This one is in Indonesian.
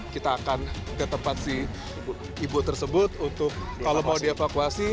kita akan ke tempat si ibu tersebut untuk kalau mau dievakuasi